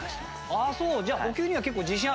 ああそう。